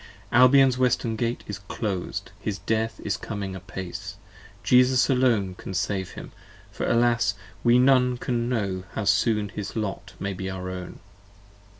Albion's Western Gate is clos'd: his death is coming apace: Jesus alone can save him: for alas, we none can know ^How soon his lot may be our own.